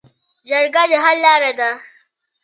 جرګه د حل لاره ده